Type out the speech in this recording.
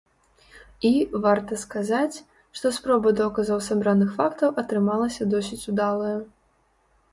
І, варта сказаць, што спроба доказаў сабраных фактаў атрымалася досыць удалая.